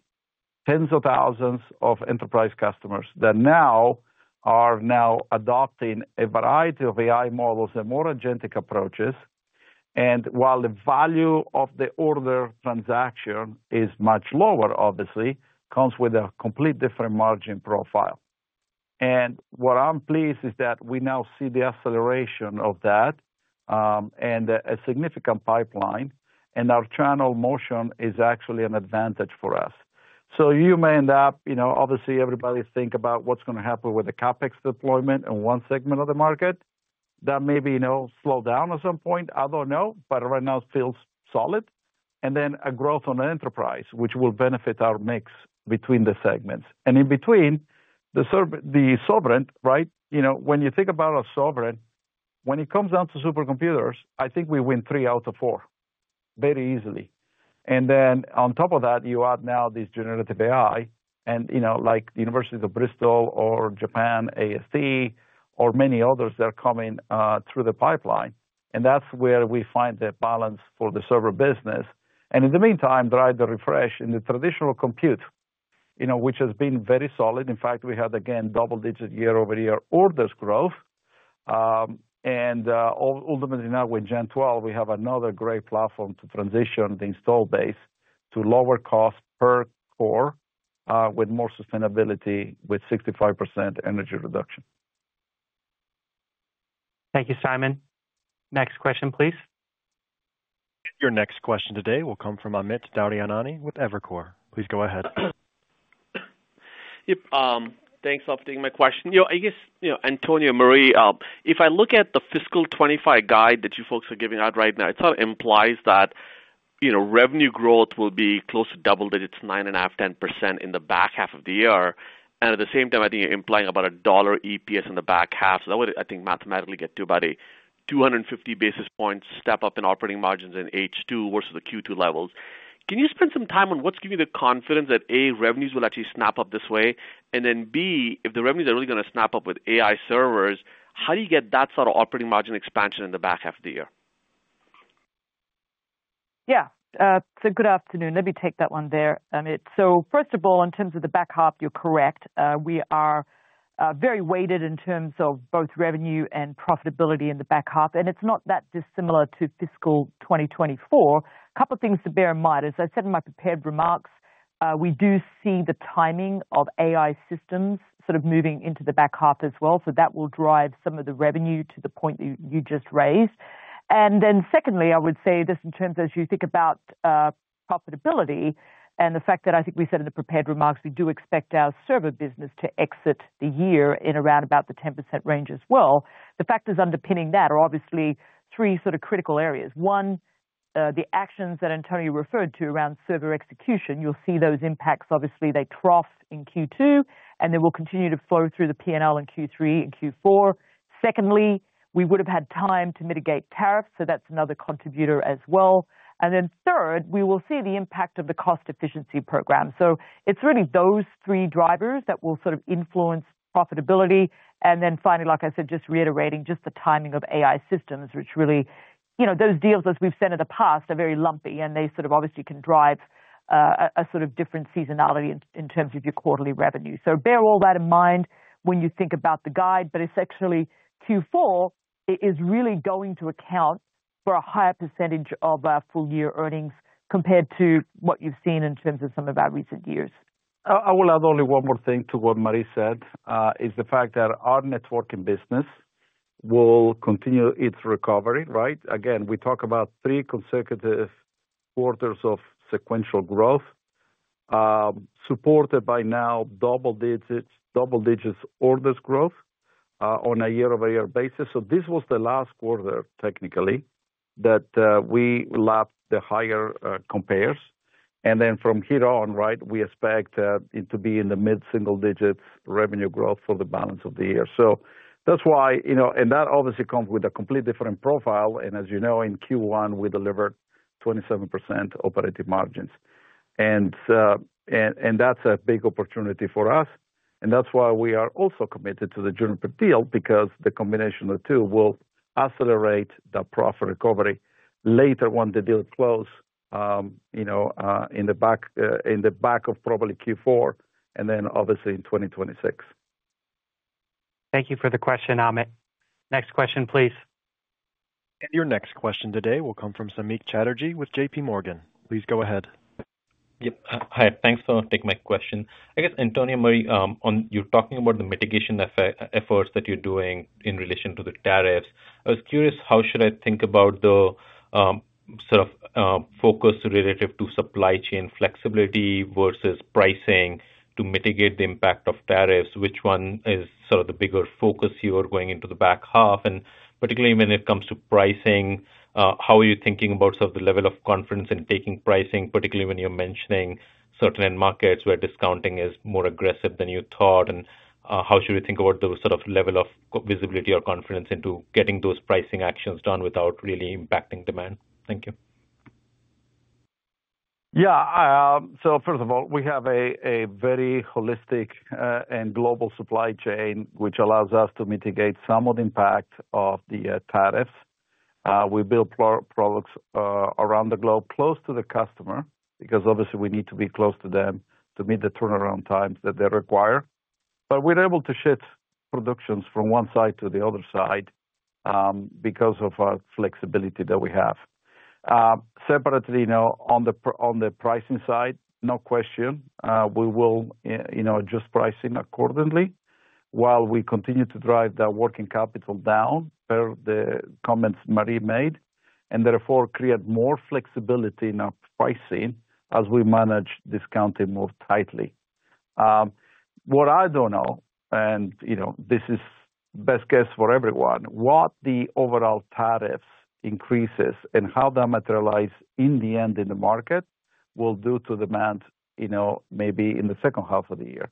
tens of thousands of enterprise customers that now are adopting a variety of AI models and more agentic approaches. And while the value of the order transaction is much lower, obviously, it comes with a complete different margin profile. And what I'm pleased is that we now see the acceleration of that and a significant pipeline. And our channel motion is actually an advantage for us. So, you may end up, obviously, everybody thinks about what's going to happen with the CapEx deployment in one segment of the market. That may be slowed down at some point. I don't know, but right now it feels solid. And then a growth on enterprise, which will benefit our mix between the segments. And in between, the sovereign, right? When you think about a sovereign, when it comes down to supercomputers, I think we win three out of four very easily. And then on top of that, you add now this generative AI and like the University of Bristol or Japan AIST or many others that are coming through the pipeline. And that's where we find the balance for the server business. And in the meantime, drive the refresh in the traditional compute, which has been very solid. In fact, we had, again, double-digit year-over-year orders growth. And ultimately, now with Gen12, we have another great platform to transition the install base to lower cost per core with more sustainability with 65% energy reduction. Thank you, Simon. Next question, please. Your next question today will come from Amit Daryanani with Evercore. Please go ahead. Yep. Thanks for taking my question. I guess, Antonio, Marie, if I look at the fiscal 2025 guide that you folks are giving out right now, it sort of implies that revenue growth will be close to double digits, 9.5%, 10% in the back half of the year. And at the same time, I think you're implying about $1 EPS in the back half. So, that would, I think, mathematically get to about a 250 basis points step up in operating margins in H2 versus the Q2 levels. Can you spend some time on what's giving you the confidence that, A, revenues will actually snap up this way? And then, B, if the revenues are really going to snap up with AI servers, how do you get that sort of operating margin expansion in the back half of the year? Yeah. So, good afternoon. Let me take that one there. So, first of all, in terms of the back half, you're correct. We are very weighted in terms of both revenue and profitability in the back half. And it's not that dissimilar to fiscal 2024. A couple of things to bear in mind. As I said in my prepared remarks, we do see the timing of AI systems sort of moving into the back half as well. So, that will drive some of the revenue to the point that you just raised. And then secondly, I would say this in terms of, as you think about profitability and the fact that I think we said in the prepared remarks, we do expect our server business to exit the year in around about the 10% range as well. The factors underpinning that are obviously three sort of critical areas. One, the actions that Antonio referred to around server execution. You'll see those impacts. Obviously, they trough in Q2, and they will continue to flow through the P&L in Q3 and Q4. Secondly, we would have had time to mitigate tariffs. So, that's another contributor as well. And then third, we will see the impact of the cost efficiency program. So, it's really those three drivers that will sort of influence profitability. And then finally, like I said, just reiterating just the timing of AI systems, which really, you know, those deals, as we've said in the past, are very lumpy, and they sort of obviously can drive a sort of different seasonality in terms of your quarterly revenue. So, bear all that in mind when you think about the guide. But it's actually Q4. It is really going to account for a higher percentage of our full-year earnings compared to what you've seen in terms of some of our recent years. I will add only one more thing to what Marie said: the fact that our networking business will continue its recovery, right? Again, we talk about three consecutive quarters of sequential growth supported by now double-digit orders growth on a year-over-year basis. So, this was the last quarter, technically, that we lapped the higher compares. And then from here on, right, we expect it to be in the mid-single-digit revenue growth for the balance of the year. So, that's why, you know, and that obviously comes with a completely different profile. And as you know, in Q1, we delivered 27% operating margins. And that's a big opportunity for us. And that's why we are also committed to the Juniper deal, because the combination of the two will accelerate the profit recovery later when the deal closes in the back of probably Q4 and then obviously in 2026. Thank you for the question, Amit. Next question, please. And your next question today will come from Samik Chatterjee with JPMorgan. Please go ahead. Yep. Hi. Thanks for taking my question. I guess, Antonio, Marie, you're talking about the mitigation efforts that you're doing in relation to the tariffs. I was curious, how should I think about the sort of focus relative to supply chain flexibility versus pricing to mitigate the impact of tariffs? Which one is sort of the bigger focus you are going into the back half? And particularly when it comes to pricing, how are you thinking about sort of the level of confidence in taking pricing, particularly when you're mentioning certain end markets where discounting is more aggressive than you thought? And how should we think about the sort of level of visibility or confidence into getting those pricing actions done without really impacting demand? Thank you. Yeah. So, first of all, we have a very holistic and global supply chain, which allows us to mitigate some of the impact of the tariffs. We build products around the globe close to the customer because obviously we need to be close to them to meet the turnaround times that they require. But we're able to shift productions from one side to the other side because of our flexibility that we have. Separately, on the pricing side, no question, we will adjust pricing accordingly while we continue to drive that working capital down per the comments Marie made and therefore create more flexibility in our pricing as we manage discounting more tightly. What I don't know, and this is best guess for everyone, what the overall tariffs increases and how they materialize in the end in the market will do to demand maybe in the second half of the year.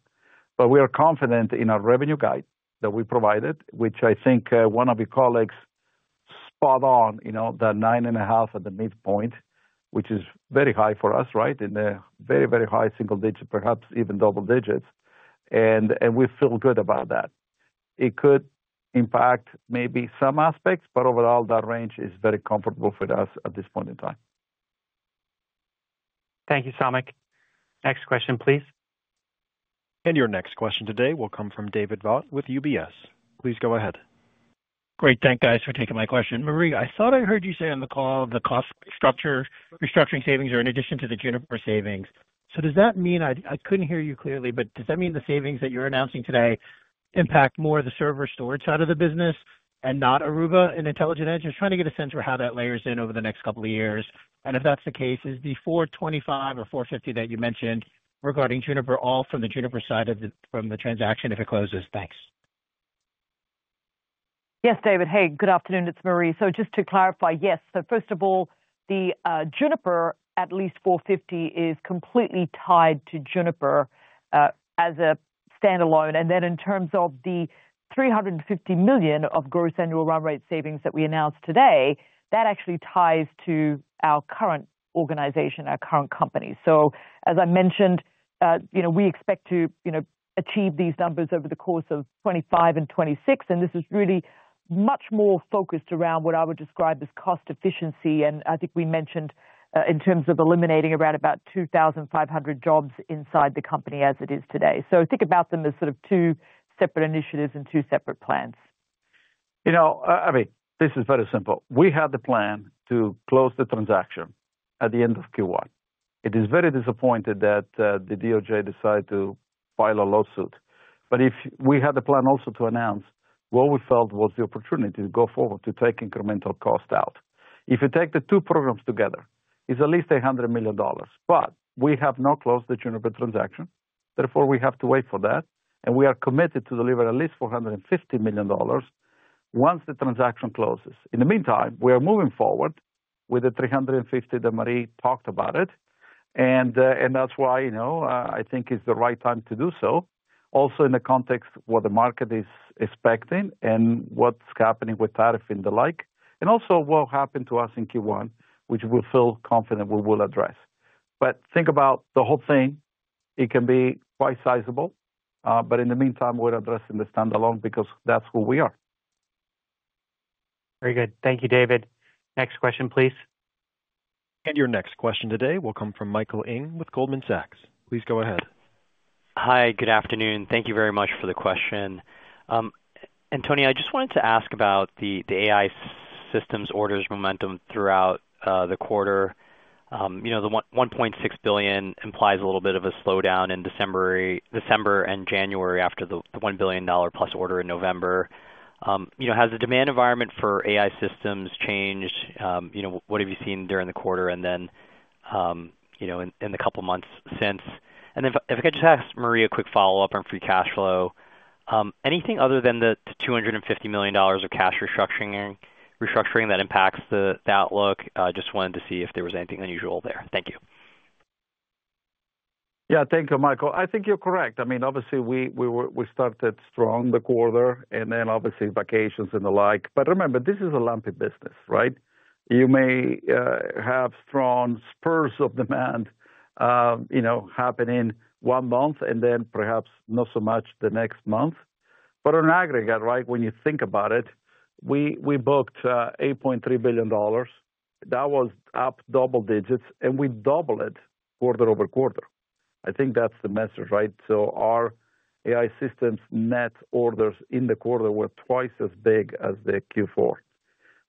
But we are confident in our revenue guide that we provided, which I think one of your colleagues spot on, the 9.5% at the midpoint, which is very high for us, right? In the very, very high single digit, perhaps even double digits. And we feel good about that. It could impact maybe some aspects, but overall, that range is very comfortable for us at this point in time. Thank you, Samik. Next question, please. And your next question today will come from David Vogt with UBS. Please go ahead. Great. Thank you, guys, for taking my question. Marie, I thought I heard you say on the call the cost restructuring savings are in addition to the Juniper savings. So, does that mean I couldn't hear you clearly, but does that mean the savings that you're announcing today impact more the server storage side of the business and not Aruba and Intelligent Edge? I'm just trying to get a sense for how that layers in over the next couple of years. And if that's the case, is the $425 million or $450 million that you mentioned regarding Juniper all from the Juniper side of the transaction if it closes? Thanks. Yes, David. Hey, good afternoon. It's Marie. So, just to clarify, yes. So, first of all, the Juniper, at least $450 million, is completely tied to Juniper as a standalone. And then in terms of the $350 million of gross annual run rate savings that we announced today, that actually ties to our current organization, our current company. So, as I mentioned, we expect to achieve these numbers over the course of 2025 and 2026. And this is really much more focused around what I would describe as cost efficiency. And I think we mentioned in terms of eliminating around about 2,500 jobs inside the company as it is today. So, think about them as sort of two separate initiatives and two separate plans. You know, I mean, this is very simple. We had the plan to close the transaction at the end of Q1. It is very disappointing that the DOJ decided to file a lawsuit. But if we had the plan also to announce what we felt was the opportunity to go forward to take incremental cost out. If you take the two programs together, it's at least $100 million. But we have not closed the Juniper transaction. Therefore, we have to wait for that. And we are committed to deliver at least $450 million once the transaction closes. In the meantime, we are moving forward with the $350 million that Marie talked about. And that's why I think it's the right time to do so. Also, in the context of what the market is expecting and what's happening with tariff and the like. And also what happened to us in Q1, which we feel confident we will address. But think about the whole thing. It can be quite sizable. But in the meantime, we're addressing the standalone because that's who we are. Very good. Thank you, David. Next question, please. And your next question today will come from Michael Ng with Goldman Sachs. Please go ahead. Hi. Good afternoon. Thank you very much for the question. Antonio, I just wanted to ask about the AI systems orders momentum throughout the quarter. The $1.6 billion implies a little bit of a slowdown in December and January after the $1 billion plus order in November. Has the demand environment for AI systems changed? What have you seen during the quarter and then in the couple of months since? And if I could just ask Marie a quick follow-up on free cash flow, anything other than the $250 million of cash restructuring that impacts the outlook? Just wanted to see if there was anything unusual there. Thank you. Yeah. Thank you, Michael. I think you're correct. I mean, obviously, we started strong the quarter and then obviously vacations and the like. But remember, this is a lumpy business, right? You may have strong spurts of demand happening one month and then perhaps not so much the next month. But on aggregate, right, when you think about it, we booked $8.3 billion. That was up double digits, and we doubled it quarter over quarter. I think that's the message, right, so our AI systems net orders in the quarter were twice as big as the Q4.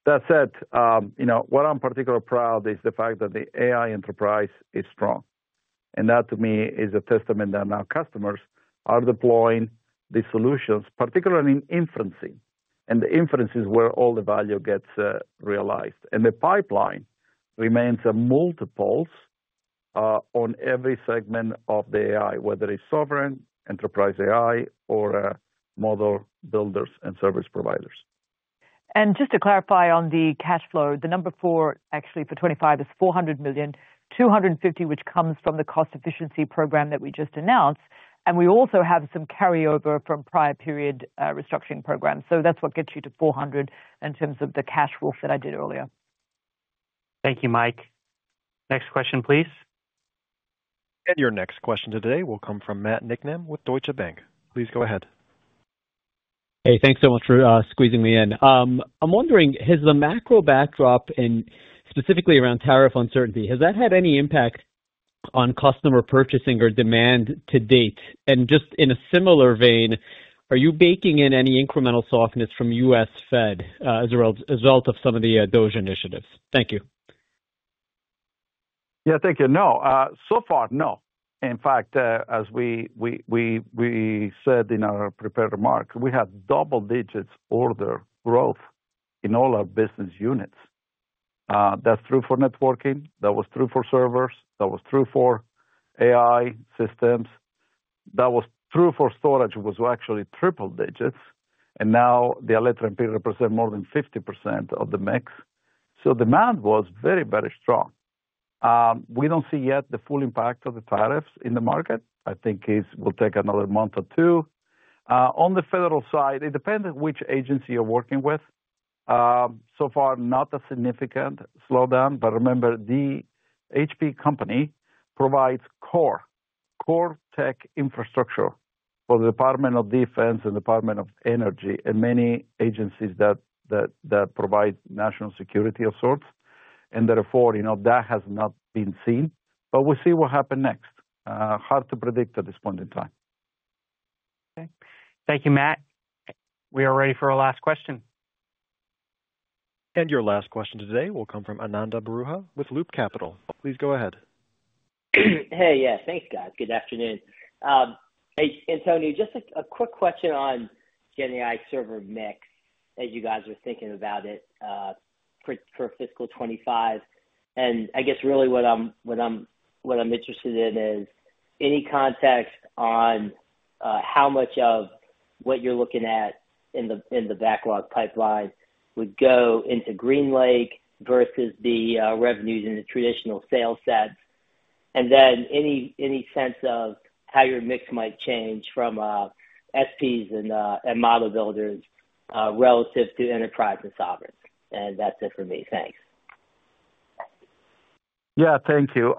That said, what I'm particularly proud of is the fact that the AI enterprise is strong, and that, to me, is a testament that our customers are deploying the solutions, particularly in inferencing, and the inferencing where all the value gets realized, and the pipeline remains multiples on every segment of the AI, whether it's sovereign, enterprise AI, or model builders and service providers, and just to clarify on the cash flow, the number for FY25 is $400 million, $250 million, which comes from the cost efficiency program that we just announced, and we also have some carryover from prior period restructuring programs. So, that's what gets you to $400 million in terms of the cash walk that I did earlier. Thank you, Mike. Next question, please. And your next question today will come from Matt Niknam with Deutsche Bank. Please go ahead. Hey, thanks so much for squeezing me in. I'm wondering, has the macro backdrop and specifically around tariff uncertainty, has that had any impact on customer purchasing or demand to date? And just in a similar vein, are you baking in any incremental softness from U.S. Fed as a result of some of the DOGE initiatives? Thank you. Yeah, thank you. No. So far, no. In fact, as we said in our prepared remarks, we have double-digit order growth in all our business units. That's true for networking. That was true for servers. That was true for AI systems. That was true for storage. It was actually triple digits. And now the electronics represents more than 50% of the mix. So, demand was very, very strong. We don't see yet the full impact of the tariffs in the market. I think it will take another month or two. On the federal side, it depends on which agency you're working with. So far, not a significant slowdown. But remember, the HPE company provides core tech infrastructure for the Department of Defense and the Department of Energy and many agencies that provide national security of sorts. And therefore, that has not been seen. But we'll see what happens next. Hard to predict at this point in time. Okay. Thank you, Matt. We are ready for our last question. And your last question today will come from Ananda Baruah with Loop Capital. Please go ahead. Hey, yes. Thanks, guys. Good afternoon. Hey, Antonio, just a quick question on getting the AI server mix as you guys are thinking about it for fiscal 2025. And I guess really what I'm interested in is any context on how much of what you're looking at in the backlog pipeline would go into GreenLake versus the revenues in the traditional sales sets. And then any sense of how your mix might change from SPs and model builders relative to enterprise and sovereign. And that's it for me. Thanks. Yeah, thank you.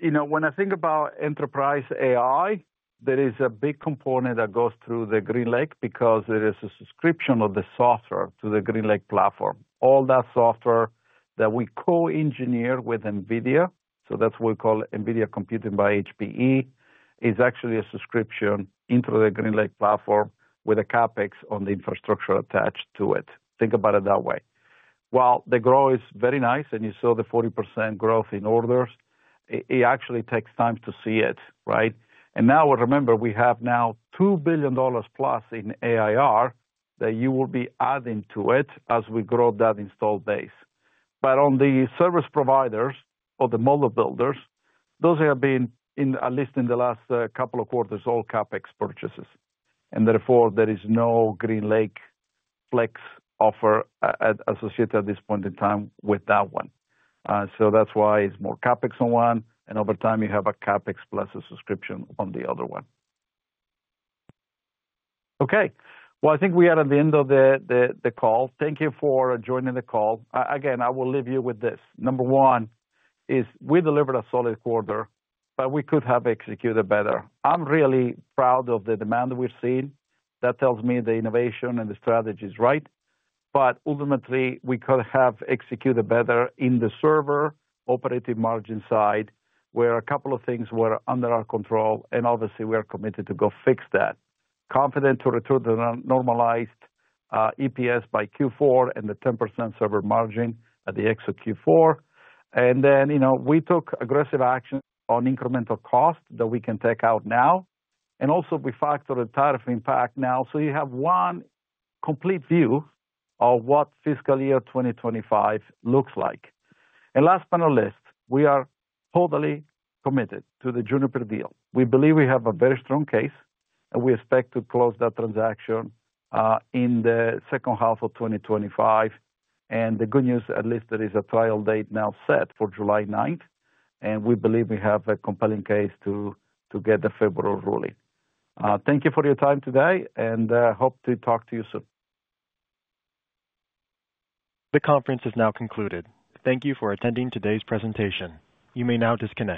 When I think about enterprise AI, there is a big component that goes through the GreenLake because there is a subscription of the software to the GreenLake platform. All that software that we co-engineer with NVIDIA, so that's what we call NVIDIA Computing by HPE, is actually a subscription into the GreenLake platform with a CapEx on the infrastructure attached to it. Think about it that way. While the growth is very nice and you saw the 40% growth in orders, it actually takes time to see it, right? And now, remember, we have now $2 billion+ in AIR that you will be adding to it as we grow that installed base. But on the service providers or the model builders, those have been, at least in the last couple of quarters, all CapEx purchases. And therefore, there is no GreenLake Flex offer associated at this point in time with that one. So, that's why it's more CapEx on one. And over time, you have a CapEx plus a subscription on the other one. Okay. Well, I think we are at the end of the call. Thank you for joining the call. Again, I will leave you with this. Number one is we delivered a solid quarter, but we could have executed better. I'm really proud of the demand that we've seen. That tells me the innovation and the strategy is right. But ultimately, we could have executed better in the server operating margin side where a couple of things were under our control. And obviously, we are committed to go fix that. Confident to return the normalized EPS by Q4 and the 10% server margin at the exit Q4. And then we took aggressive action on incremental cost that we can take out now. And also, we factored the tariff impact now. So, you have one complete view of what fiscal year 2025 looks like. And last but not least, we are totally committed to the Juniper deal. We believe we have a very strong case, and we expect to close that transaction in the second half of 2025, and the good news, at least, there is a trial date now set for July 9th, and we believe we have a compelling case to get the favorable ruling. Thank you for your time today, and I hope to talk to you soon. The conference is now concluded. Thank you for attending today's presentation. You may now disconnect.